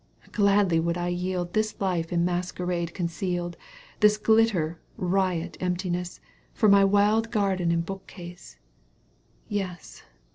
Gladly would I yield This life in masquerade concealed, This glitter, riot, emptiness. For my wild garden and bookcase, — Yes